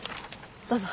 どうぞ。